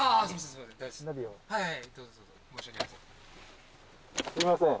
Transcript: すいません。